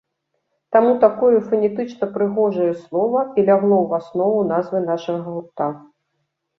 Таму такое фанетычна-прыгожае слова і лягло ў аснову назвы нашага гурта.